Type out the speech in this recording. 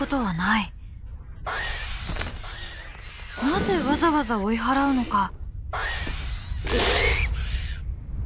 なぜわざわざ追い払うのか。